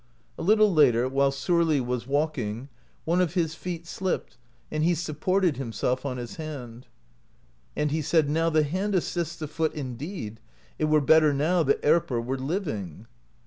A little later, while Sorli was walking, one of his feet slipped, and he sup ported himself on his hand; and he said: 'Now the hand assists the foot indeed; it were better now that Erpr were living.'